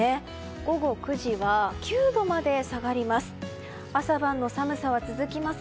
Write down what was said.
午後９時は、９度まで下がります。